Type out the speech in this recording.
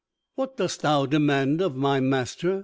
"What dost thou demand of my master?"